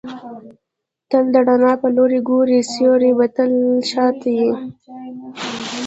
تل د رڼا پر لوري ګورئ! سیوری به دي تل شاته يي.